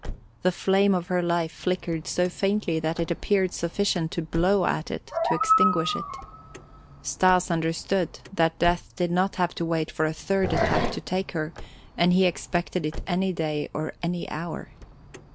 The flame of her life flickered so faintly that it appeared sufficient to blow at it to extinguish it. Stas understood that death did not have to wait for a third attack to take her and he expected it any day or any hour.